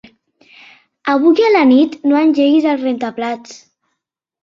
Avui a la nit no engeguis el rentaplats.